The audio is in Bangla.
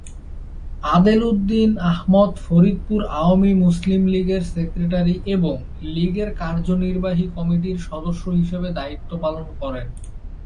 আদেল উদ্দিন আহমদ ফরিদপুর আওয়ামী মুসলিম লীগের সেক্রেটারি এবং লীগের কার্যনির্বাহী কমিটির সদস্য হিসাবে দায়িত্ব পালন করেন।